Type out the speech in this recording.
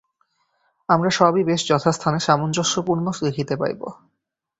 আমরা সবই বেশ যথাস্থানে সামঞ্জস্যপূর্ণ দেখিতে পাইব।